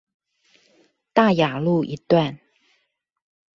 大雅路一段